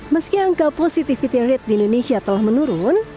meski angka positivity rate di indonesia telah menurun